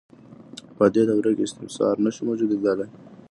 په دې دوره کې استثمار نشو موجودیدلای.